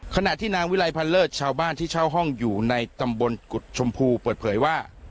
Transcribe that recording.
ขณะที่นางวิลัยพันเลิศชาวบ้านที่เช่าห้องอยู่ในตำบลกุฎชมพูเปิดเผยว่า